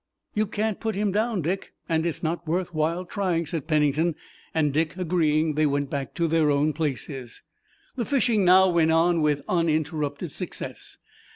"You can't put him down, Dick, and it's not worth while trying," said Pennington, and Dick agreeing they went back to their own places. The fishing now went on with uninterrupted success.